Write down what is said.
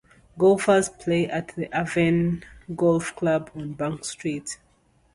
Golfers play at the Avenel Golf Club on Bank Street.